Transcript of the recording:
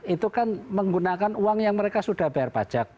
itu kan menggunakan uang yang mereka sudah bayar pajak